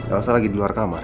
elsa lagi di luar kamar